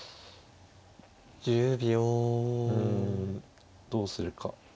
うんどうするか。